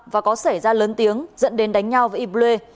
và có xảy ra lớn tiếng dẫn đến đánh nhau với ibre